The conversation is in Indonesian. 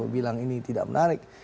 bilang ini tidak menarik